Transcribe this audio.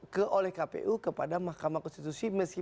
ke oleh kpu kepada makhluknya